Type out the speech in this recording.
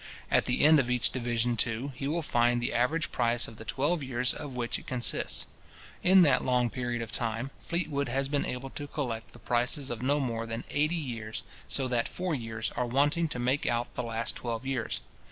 At the end of each division, too, he will find the average price of the twelve years of which it consists. In that long period of time, Fleetwood has been able to collect the prices of no more than eighty years; so that four years are wanting to make out the last twelve years.